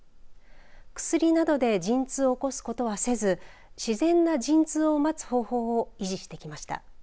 薬などで陣痛を起こすことはせず自然な陣痛を待つ方法を維持してきました。